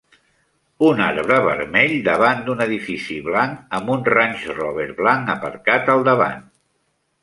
Un arbre vermell davant d'un edifici blanc amb un Range Rober blanc aparcat al davant